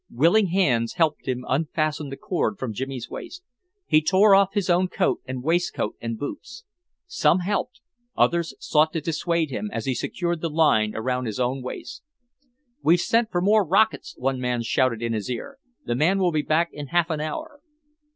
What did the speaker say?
Willing hands helped him unfasten the cord from Jimmy's waist. He tore off his own coat and waistcoat and boots. Some helped, other sought to dissuade him, as he secured the line around his own waist. "We've sent for more rockets," one man shouted in his ear. "The man will be back in half an hour."